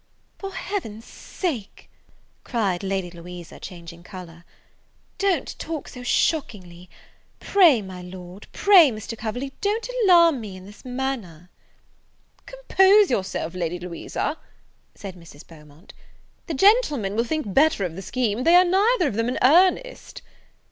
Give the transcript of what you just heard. "For Heaven's sake," cried Lady Louisa, changing colour, "don't talk so shockingly! Pray, my Lord, pray, Mr. Coverley, don't alarm me in this manner." "Compose yourself, Lady Louisa," said Mrs. Beaumont, "the gentlemen will think better of the scheme; they are neither of them in earnest."